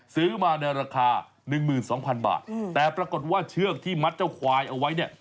ซื้อมาในราคา๑๒๐๐๐บาทแต่ปรากฏว่าเชือกที่มัดเจ้าควายเอาไว้เนี่ย